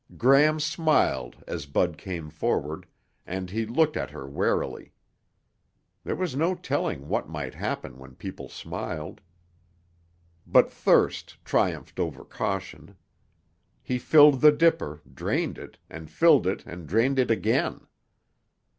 Gram smiled as Bud came forward, and he looked at her warily. There was no telling what might happen when people smiled. But thirst triumphed over caution. He filled the dipper, drained it, and filled it and drained it again.